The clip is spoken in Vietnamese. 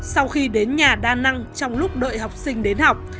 sau khi đến nhà đa năng trong lúc đợi học sinh đến học